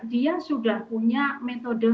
dia sudah punya metode